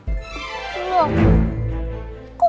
kok gara gara gue